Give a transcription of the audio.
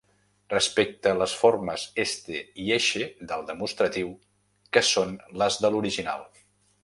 Respecte les formes 'este' i 'eixe' del demostratiu, que són les de l’original.